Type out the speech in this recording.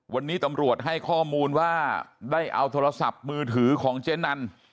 วันนี้ตำรวจให้ข้อมูลว่าได้เอาโทรศัพท์มือถือของเจ๊นัน